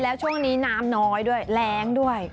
แล้วช่วงนี้น้ำน้อยด้วยแรงด้วย